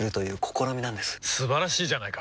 素晴らしいじゃないか！